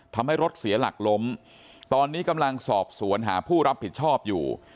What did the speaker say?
ทำให้รถเสียหลักล้มตอนนี้กำลังสอบสวนหาผู้รับผิดชอบอยู่